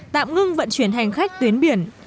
tạm ngưng vận chuyển hành khách tuyến biển